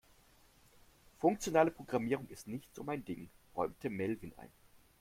"Funktionale Programmierung ist nicht so mein Ding", räumte Melvin ein.